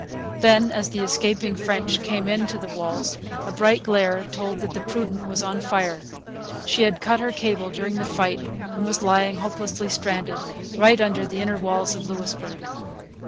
Then, as the escaping French came in to the walls, a bright glare told that the Prudent was on fire. She had cut her cable during the fight and was lying, hopelessly stranded, right under the inner walls of Louisbourg.